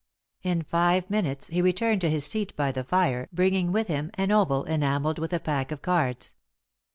In five minutes he returned to his seat by the fire, bringing with him an oval enamelled with a pack of cards.